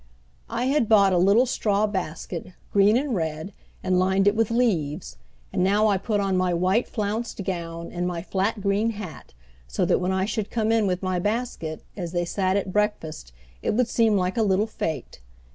I had bought a little straw basket, green and red, and lined it with leaves; and now I put on my white flounced gown and my flat green hat, so that when I should come in with my basket as they sat at breakfast it would seem like a little fête.